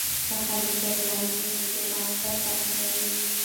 که ښځې قاریانې وي نو جوماتونه به تش نه وي.